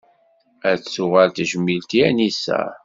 Ad tuɣal tejmilt i Anisa.